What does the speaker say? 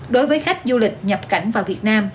đối với khách du lịch nhập cảnh vào việt nam